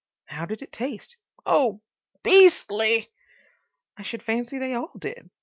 "How did it taste?" "Oh, BEASTLY!" I should fancy they all did.